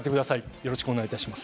よろしくお願いします。